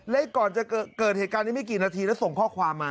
และก่อนจะเกิดเหตุการณ์นี้ไม่กี่นาทีแล้วส่งข้อความมา